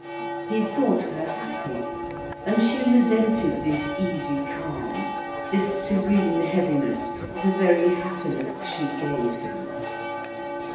He thought her happy; and she resented this easy calm, this serene heaviness, the very happiness she gave him.